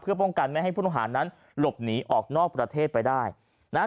เพื่อป้องกันไม่ให้ผู้ต้องหานั้นหลบหนีออกนอกประเทศไปได้นะฮะ